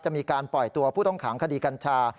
มีการปล่อยตัวผู้ต้องขังคดีกัญชา